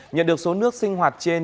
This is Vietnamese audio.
nhận được số nước sinh hoạt trên